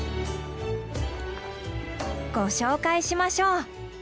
ご紹介しましょう。